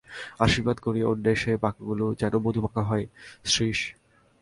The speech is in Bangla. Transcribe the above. আশীর্বাদ করি অন্যের সেই বাক্যগুলি যেন মধুমাখা হয়– শ্রীশ।